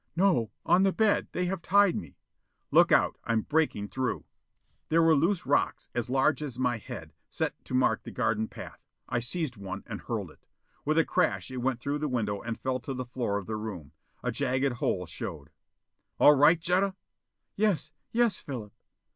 "No. On the bed. They have tied me." "Look out; I'm breaking through!" There were loose rocks, as large as my head, set to mark the garden path. I seized one and hurled it. With a crash it went through the window and fell to the floor of the room. A jagged hole showed. "All right, Jetta?" "Yes! Yes, Philip."